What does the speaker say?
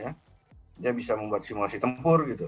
jadi game ini bisa membuat simulasi tempur